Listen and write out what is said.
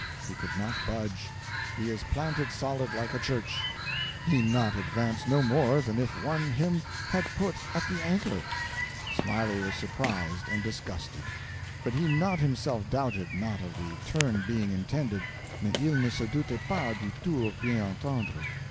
He could not budge, he is planted solid like a church, he not advance no more than if one him had put at the anchor. Smiley was surprised and disgusted, but he not himself doubted not of the turn being intended (mais il ne se doutait pas du tour bien entendre).